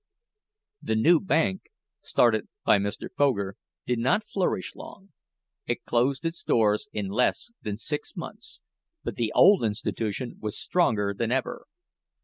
The new bank, started by Mr. Foger, did not flourish long. It closed its doors in less than six months, but the old institution was stronger than ever.